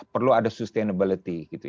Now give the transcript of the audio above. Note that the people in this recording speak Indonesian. perlu ada sustainability